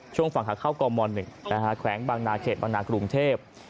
ฝั่งขาเข้ากม๑แขวงบางนาเขตบางนากรุงเทพ